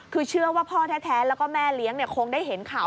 คือเชื่อว่าพ่อแท้แล้วก็แม่เลี้ยงคงได้เห็นข่าว